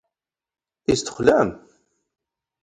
ⵉⵙ ⵜⵅⵍⴰⵎ?